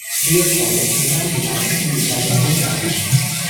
Hiervon gehören die meisten wie er den Dinka an.